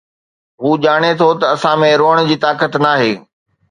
هو ڄاڻي ٿو ته اسان ۾ روئڻ جي طاقت ناهي